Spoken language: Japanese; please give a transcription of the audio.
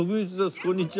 こんにちは。